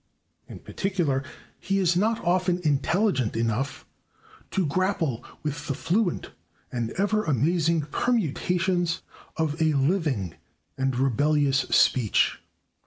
In particular, he is not often intelligent enough to grapple with the fluent and ever amazing permutations of a living and rebellious speech.